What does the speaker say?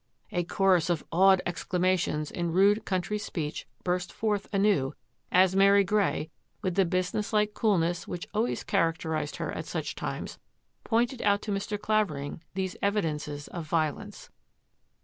A chorus of awed exclama tions in rude country speech burst forth anew as Mary Grey, with the business like coolness which always characterised her at such times, pointed out to Mr. Clavering these evidences of violence.